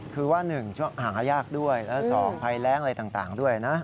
คือว่าหนึ่งหางฮะยากด้วยและสองพัยแร้งอะไรต่างด้วยนะ